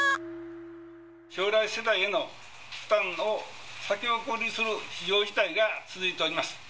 将来世代への負担を先送りする非常事態が続いております。